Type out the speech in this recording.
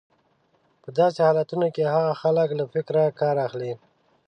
په داسې حالتونو کې هغه خلک له فکره کار اخلي.